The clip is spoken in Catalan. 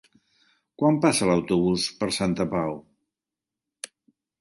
Quan passa l'autobús per Santa Pau?